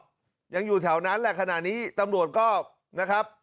ยังอยู่แถวนั้นแหละขณะนี้ตำรวจก็นะครับ